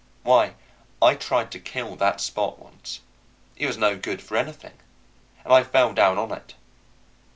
Why, I tried to kill that Spot once he was no good for anything; and I fell down on it.